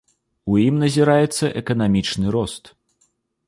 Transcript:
У ім назіраецца эканамічны рост.